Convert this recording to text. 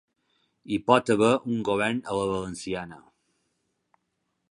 Hi pot haver un govern a la valenciana.